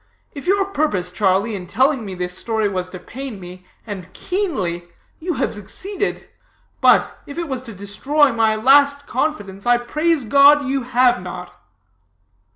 If your purpose, Charlie, in telling me this story, was to pain me, and keenly, you have succeeded; but, if it was to destroy my last confidence, I praise God you have not."